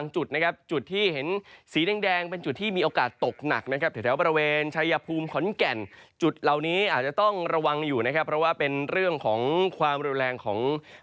จุดเหล่านี้ต้องระวังอยู่เพราะว่าเป็นเรื่องของความแรงของ